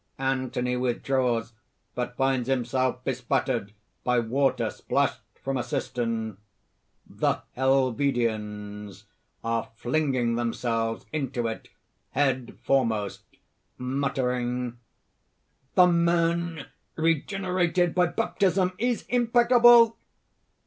(Anthony withdraws, but finds himself be spattered by water splashed from a cistern.) THE HELVIDIANS (are flinging themselves into it head foremost, muttering: ) "The man regenerated by baptism is impeccable!"